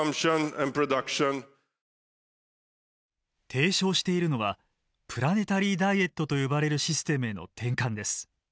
提唱しているのはプラネタリーダイエットと呼ばれるシステムへの転換です。